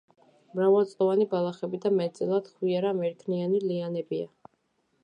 მრავალწლოვანი ბალახები და მეტწილად ხვიარა, მერქნიანი ლიანებია.